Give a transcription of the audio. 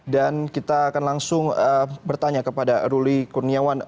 dan kita akan langsung bertanya kepada ruli kurniawan